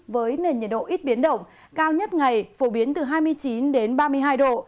với nền nhiệt độ ít biến động cao nhất ngày phổ biến từ hai mươi chín đến ba mươi hai độ